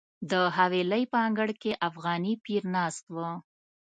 د حویلۍ په انګړ کې افغاني پیر ناست و.